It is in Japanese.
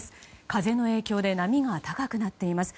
風の影響で波が高くなっています。